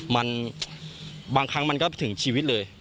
มันบางครั้งมันก็ถึงชีวิตเลย